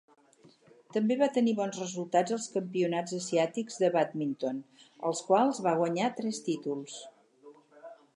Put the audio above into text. També va tenir bons resultats als campionats asiàtics de bàdminton, als quals va guanyar tres títols.